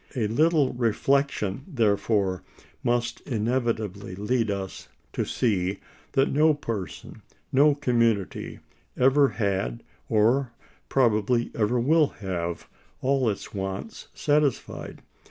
A little reflection, therefore, must inevitably lead us to see that no person, no community, ever had, or probably ever will have, all its wants satisfied.